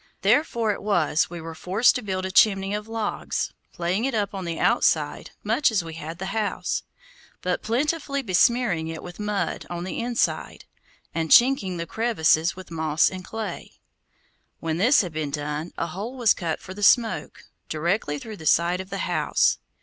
Therefore it was we were forced to build a chimney of logs, laying it up on the outside much as we had the house, but plentifully besmearing it with mud on the inside, and chinking the crevices with moss and clay. When this had been done, a hole was cut for the smoke, directly through the side of the house.